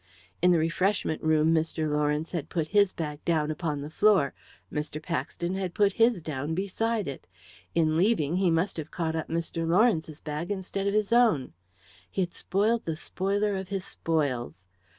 In the refreshment room Mr. Lawrence had put his bag down upon the floor. Mr. Paxton had put his down beside it. In leaving, he must have caught up Mr. Lawrence's bag instead of his own. He had spoiled the spoiler of his spoils.